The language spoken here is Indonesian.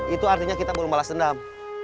itu artinya kita belum malas dendam